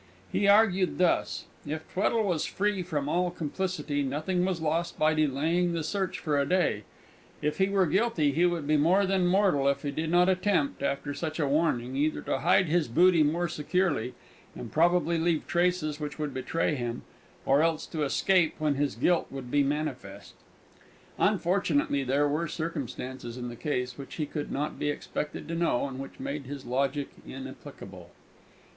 He argued thus: If Tweddle was free from all complicity, nothing was lost by delaying the search for a day; if he were guilty, he would be more than mortal if he did not attempt, after such a warning, either to hide his booty more securely, and probably leave traces which would betray him, or else to escape when his guilt would be manifest. Unfortunately, there were circumstances in the case which he could not be expected to know, and which made his logic inapplicable.